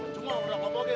cuma mau urang apa pake